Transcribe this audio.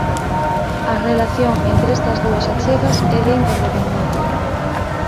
A relación entre estas dúas achegas é de interdependencia.